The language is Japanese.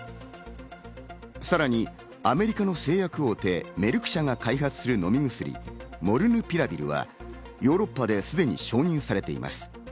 さらにアメリカの製薬大手メルク社が開発する飲み薬、モルヌピラビルはヨーロッパですでに承認されています。